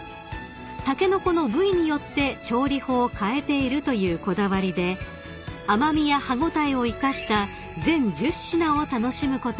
［タケノコの部位によって調理法を変えているというこだわりで甘味や歯応えを生かした全１０品を楽しむことができます］